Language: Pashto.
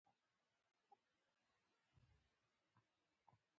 لمریز ځواک د افغانستان د سیاسي جغرافیه برخه ده.